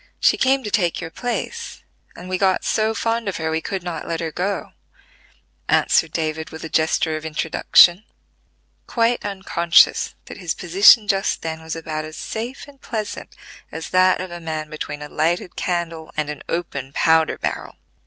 She came to take your place, and we got so fond of her we could not let her go," answered David with a gesture of introduction, quite unconscious that his position just then was about as safe and pleasant as that of a man between a lighted candle and an open powder barrel.